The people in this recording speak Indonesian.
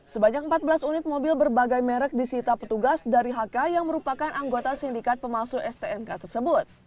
sebanyak empat belas unit mobil berbagai merek disita petugas dari hk yang merupakan anggota sindikat pemalsu stnk tersebut